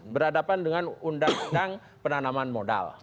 berhadapan dengan undang undang penanaman modal